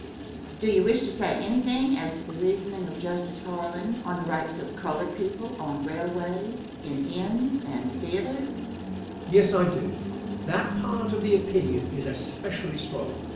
Question. Do you wish to say anything as to the reasoning of Justice Harlan on the rights of colored people on railways, in inns and theatres? Answer. Yes, I do. That part of the opinion is especially strong.